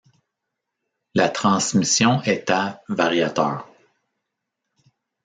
La transmission est à variateur.